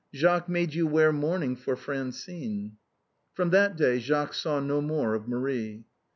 Jacques made you wear mourning for Francine." From that day Jacques saw no more of Marie.